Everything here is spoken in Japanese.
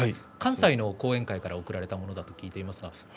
関西の後援会から贈られたものと聞いています。